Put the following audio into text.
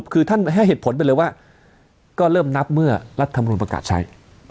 ก็เริ่มนับเมื่อรัฐมนุมประกาศใช้